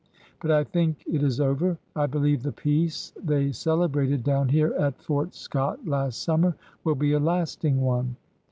But I think it is over. I be lieve the peace they celebrated down here at Fort Scott last summer will be a lasting one."